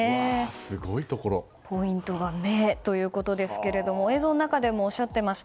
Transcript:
ポイントは目ということですが映像の中でもおっしゃってました